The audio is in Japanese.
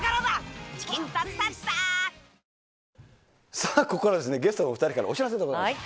さあ、ここからは、ゲストのお２人からお知らせでございます。